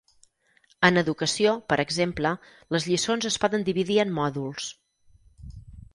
En educació, per exemple, les lliçons es poden dividir en mòduls.